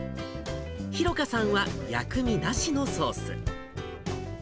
寛果さんは薬味なしのソース。